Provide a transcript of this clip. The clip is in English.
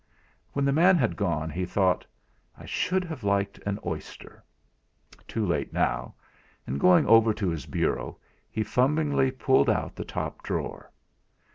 When the man had gone, he thought: 'I should have liked an oyster too late now!' and going over to his bureau, he fumblingly pulled out the top drawer.